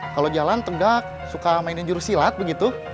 kalau jalan tegak suka mainin jurusilat begitu